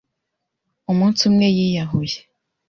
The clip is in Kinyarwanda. Umunsi umwe yiyahuye.